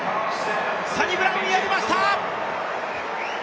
サニブラウン、やりました！